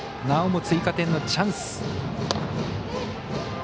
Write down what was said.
なおも追加点のチャンス。